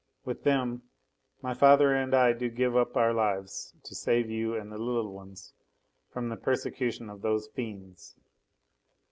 With them, my father and I do give up our lives to save you and the little ones from the persecution of those fiends.